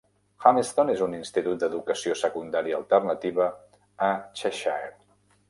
Humiston és un institut d'educació secundària alternativa a Cheshire.